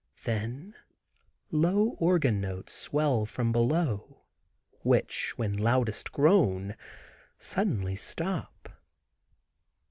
Then low organ notes swell from below, which, when loudest grown, suddenly stop.